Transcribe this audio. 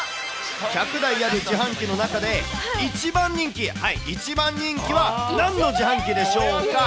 １００台ある自販機の中で、一番人気、一番人気はなんの自販機でしょうか？